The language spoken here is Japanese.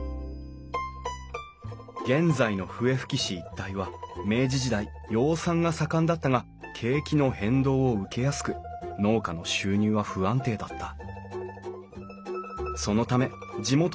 現在の笛吹市一帯は明治時代養蚕が盛んだったが景気の変動を受けやすく農家の収入は不安定だった。